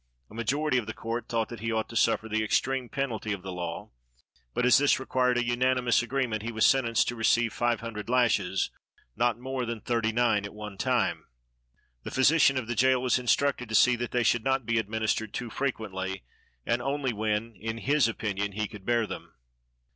A majority of the court thought that he ought to suffer the extreme penalty of the law; but, as this required a unanimous agreement, he was sentenced to receive five hundred lashes, not more than thirty nine at one time. The physician of the jail was instructed to see that they should not be administered too frequently, and only when, in his opinion, he could bear them.